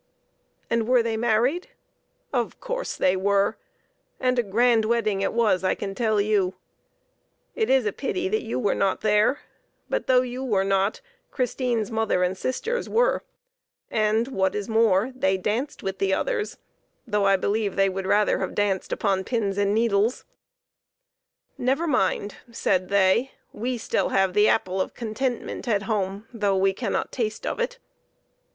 And were they married ? Of course they were ! and a grand wedding it was, I can tell you. It is a pity that you were not there ; but though you were not, Christine's THE APPLE OF CONTENTMENT. 115 mother and sisters were, and, what is more, they danced with the others, though I believe they would rather have danced upon pins and needles. " Never mind," said they ;" we still have the apple of contentment at home, though we cannot taste of it."